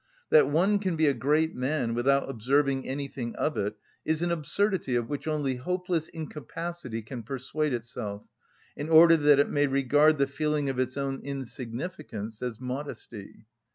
That one can be a great man without observing anything of it is an absurdity of which only hopeless incapacity can persuade itself, in order that it may regard the feeling of its own insignificance as modesty.